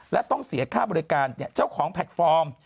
และต้องเสียค่าบริการเจ้าของแพลตฟอร์ม